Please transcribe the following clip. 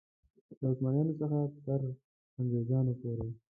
له عثمانیانو څخه تر انګرېزانو پورې.